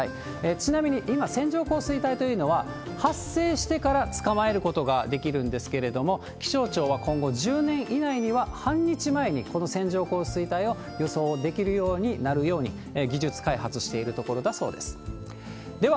ちなみに今、線状降水帯というのは、発生してから捉まえることができるんですけれども、気象庁は今後１０年以内には半日前にこの線状降水帯を予想できるようになるように、技術開発しているところだそうです。